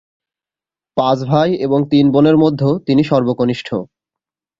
পাঁচ ভাই এবং তিন বোনের মধ্যে তিনি সর্বকনিষ্ঠ।